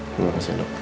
terima kasih dok